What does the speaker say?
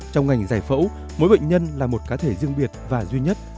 trong ngành giải phẫu mỗi bệnh nhân là một cá thể riêng biệt và duy nhất